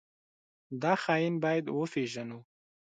دا خاين بايد وپېژنو.